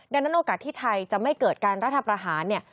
ดังนั้นโอกาสที่ไทยจะไม่เกิดการรัฐประหารเนี่ย